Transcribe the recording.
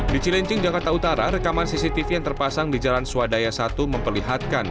di cilincing jakarta utara rekaman cctv yang terpasang di jalan swadaya satu memperlihatkan